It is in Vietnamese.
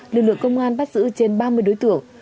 đội lực công an bắt giữ trên ba mươi đối tượng